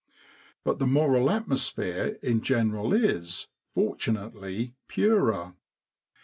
But the moral atmosphere in general is, fortunately, purer.